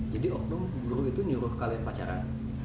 jadi oknum guru itu nyuruh kalian pacaran